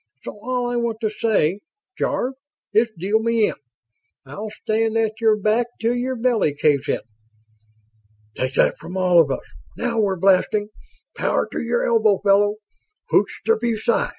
"So all I want to say, Jarve, is deal me in. I'll stand at your back 'til your belly caves in." "Take that from all of us!" "Now we're blasting!" "Power to your elbow, fella!" "Hoch der BuSci!"